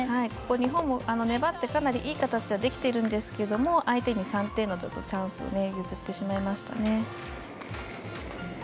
ここも日本も粘っていい形ができてるんですけれども相手に３点のチャンスを譲ってしまいましたね。